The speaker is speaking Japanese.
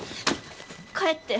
帰って。